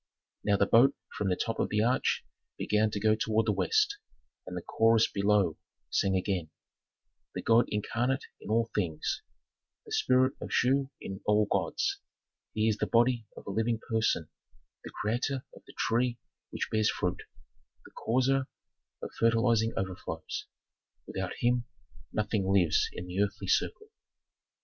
Now the boat from the top of the arch began to go toward the west, and the chorus below sang again: "The god incarnate in all things, the spirit of Shu in all gods. He is the body of a living person, the creator of the tree which bears fruit, the causer of fertilizing overflows. Without him nothing lives in the earthly circle."